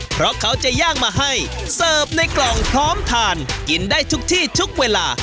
เพราะเขาจะย่างมาให้เสิร์ฟในกล่องพร้อมทานกินได้ทุกที่ทุกเวลา